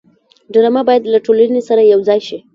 ډرامه باید له ټولنې سره یوځای شي